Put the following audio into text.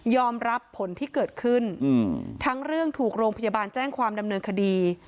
รับผลที่เกิดขึ้นทั้งเรื่องถูกโรงพยาบาลแจ้งความดำเนินคดี